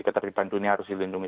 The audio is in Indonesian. keterlibatan dunia harus dilindungi